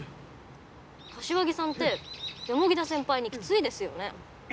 柏木さんって田先輩にキツいですよね。